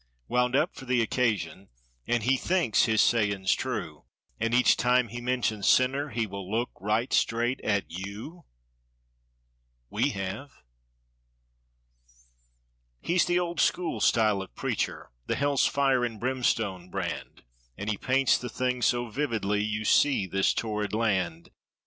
Wound up for the occasion, and he thinks his sayings true— And each time he mentions "sinner" he will look right straight at you! We have! He's the old school style of preacher, the "hell's fire —and—brimstone brand," And he paints the thing so vividly—you see this torrid land.